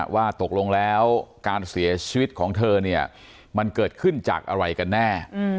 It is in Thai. ว่าตกลงแล้วการเสียชีวิตของเธอเนี่ยมันเกิดขึ้นจากอะไรกันแน่